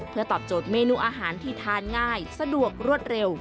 เพื่อตอบโจทย์เมนูอาหารที่ทานง่ายสะดวกรวดเร็ว